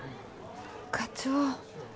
課長。